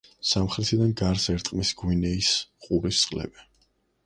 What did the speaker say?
სამხრეთიდან გარს ერტყმის გვინეის ყურის წყლები.